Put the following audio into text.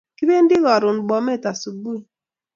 Kipendi karon Bomet subui